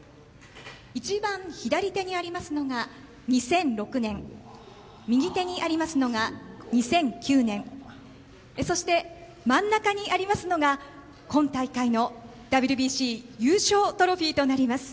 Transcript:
一番左手にありますのが２００６年右手にありますのが２００９年そして、真ん中にありますのが今大会のＷＢＣ優勝トロフィーとなります。